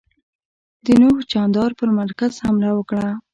د نوح جاندار پر مرکز حمله وکړه.